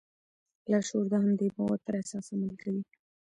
لاشعور د همدې باور پر اساس عمل کوي